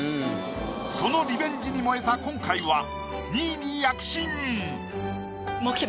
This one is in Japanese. そのリベンジに燃えた今回は２位に躍進。